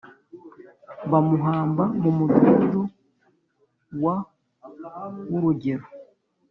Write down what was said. bamuhamba mu mudugudu wa w’urugero